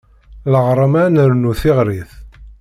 Leɣṛama ad nernu tiɣrit.